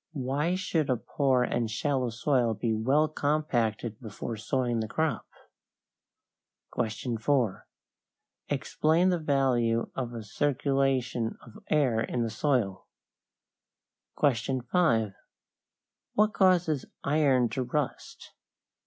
Why should a poor and shallow soil be well compacted before sowing the crop? 4. Explain the value of a circulation of air in the soil. 5. What causes iron to rust?